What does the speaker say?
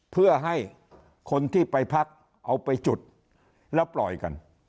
เพื่อให้คนที่ไปพักเอาไปจุดแล้วปล่อยกัน